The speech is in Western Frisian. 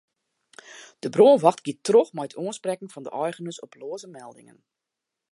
De brânwacht giet troch mei it oansprekken fan de eigeners op loaze meldingen.